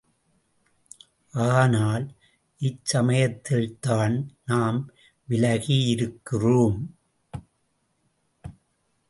ஆனால் இச்சமயத்தில்தான் நாம் விலகியிருக்கிறோம்.